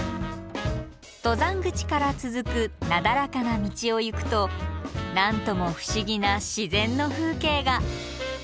登山口から続くなだらかな道を行くと何とも不思議な自然の風景が！